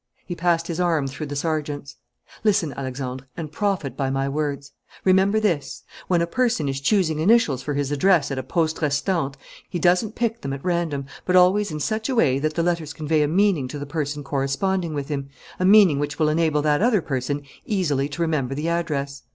He passed his arm through the sergeant's. "Listen, Alexandre, and profit by my words. Remember this: when a person is choosing initials for his address at a poste restante he doesn't pick them at random, but always in such a way that the letters convey a meaning to the person corresponding with him, a meaning which will enable that other person easily to remember the address."